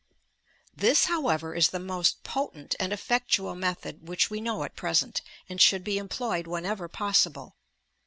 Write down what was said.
This, however, is the most potent and effectual method which we know at present, and should be employed whenever possible.